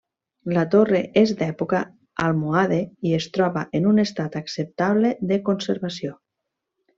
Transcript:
La torre és d'època almohade i es troba en un estat acceptable de conservació.